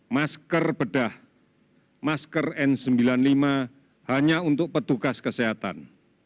masker bedah masker n sembilan puluh lima hanya untuk petugas kesehatan